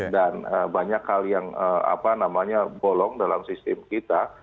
dan banyak kali yang bolong dalam sistem kita